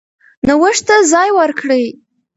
نوښت ته ځای ورکړئ.